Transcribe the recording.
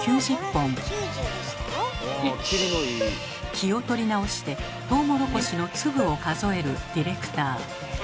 気を取り直してトウモロコシの粒を数えるディレクター。